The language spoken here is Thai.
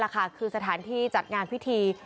คือสถานที่จัดงานพิธี